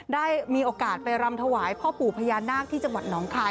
ได้มีโอกาสไปรำถวายพ่อปู่พญานาคที่จังหวัดหนองคาย